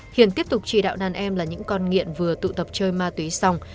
hiền tiếp tục chỉ đạo đàn em là những con nghiện vừa tụ tập chơi ma túy xong